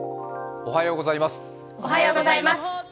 おはようございます。